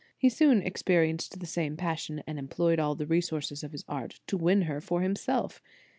He soon experienced the same passion, and employed all the resources of his art to win her for himself.